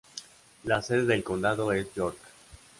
La sede del condado es York.